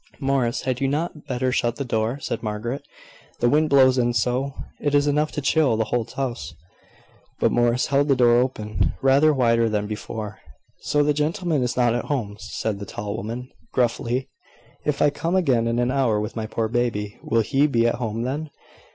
"Morris, had you not better shut the door?" said Margaret; "the wind blows in so, it is enough to chill the whole house." But Morris held the door open, rather wider than before. "So the gentleman is not at home," said the tall woman, gruffly. "If I come again in an hour with my poor baby, will he be at home then?"